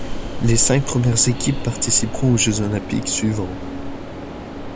Les cinq premières équipes participeront aux Jeux olympiques suivants.